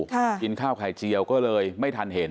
กินข้าวไข่เจียวก็เลยไม่ทันเห็น